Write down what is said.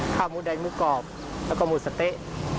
ข้าวหมูแดงหมูกรอบแล้วก็หมูสะเต๊ะ